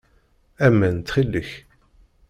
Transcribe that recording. Aman, ttxil-k.